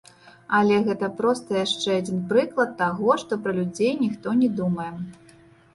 Але гэта проста яшчэ адзін прыклад таго, што пра людзей ніхто не думае.